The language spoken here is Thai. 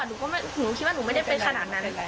หนูก็ไม่หนูคิดว่าหนูไม่ได้เป็นขนาดนั้น